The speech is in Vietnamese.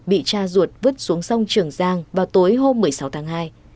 bị cha ruột vứt xuống sông trường giang vào tối hôm một mươi sáu tháng hai